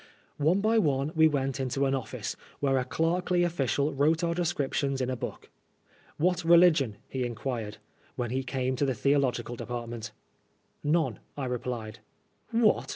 One by one we went into an office, where a clerkly official wrote our descriptions in a book. What religion ?" he inquired, when he came to the theological department. « None," I replied « What